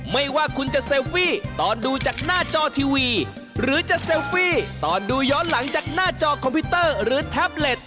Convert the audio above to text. ไม่ว่าคุณจะเซลฟี่ตอนดูจากหน้าจอทีวีหรือจะเซลฟี่ตอนดูย้อนหลังจากหน้าจอคอมพิวเตอร์หรือแท็บเล็ต